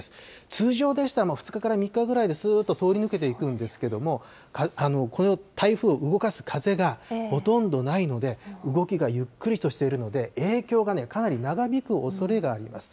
通常でしたらもう、２日から３日ぐらいですーっと通り抜けていくんですけれども、この台風動かす風がほとんどないので、動きがゆっくりとしているので、影響がかなり長引くおそれがあります。